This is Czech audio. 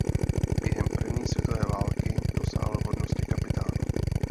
Během první světové války dosáhl hodnosti kapitána.